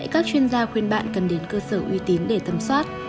các chuyên gia khuyên bạn cần đến cơ sở uy tín để tâm soát